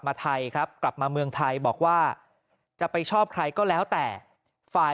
มาไทยครับกลับมาเมืองไทยบอกว่าจะไปชอบใครก็แล้วแต่ฝ่าย